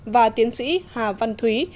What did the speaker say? và tiến sĩ hà văn thúy